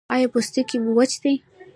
ایا پوستکی مو وچ دی؟